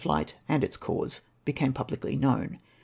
393 fliglit and its cause became publicly kuown.